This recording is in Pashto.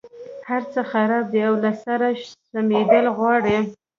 هرڅه خراب دي او له سره سمېدل غواړي.